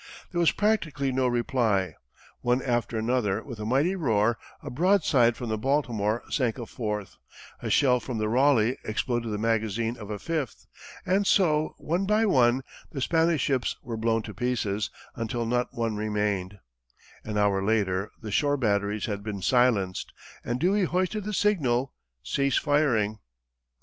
There was practically no reply. Three of the Spanish ships were on fire, and their magazines exploded one after another with a mighty roar; a broadside from the Baltimore sank a fourth; a shell from the Raleigh exploded the magazine of a fifth, and so, one by one, the Spanish ships were blown to pieces, until not one remained. An hour later, the shore batteries had been silenced, and Dewey hoisted the signal, "Cease firing."